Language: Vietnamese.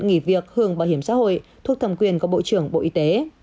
nghị việc hưởng bảo hiểm xã hội thuộc thầm quyền của bộ trưởng bộ y tế